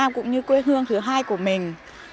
cũng như là hào hứng thứ hai của mình